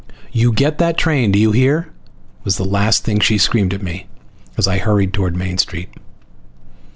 "You get that train, do you hear?" was the last thing she screamed at me as I hurried toward Main Street.